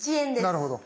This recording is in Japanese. なるほど。